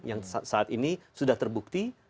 yang saat ini sudah terbukti